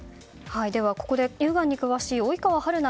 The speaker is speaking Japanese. ここで乳がんに詳しい及川明奈